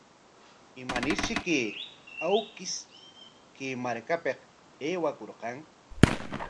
¿Imanarshi chay awkish kay markapik aywakurqan?